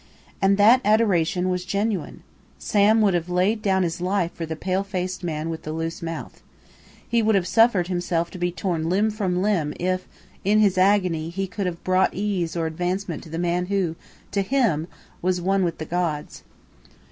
And that adoration was genuine. Sam would have laid down his life for the pale faced man with the loose mouth. He would have suffered himself to be torn limb from limb if in his agony he could have brought ease or advancement to the man who, to him, was one with the gods.